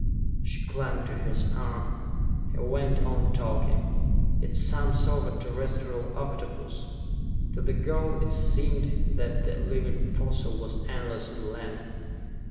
She clung to his arm. He went on talking. "It is some sort of terrestrial octopus...." To the girl, it seemed that the living fossil was endless in length.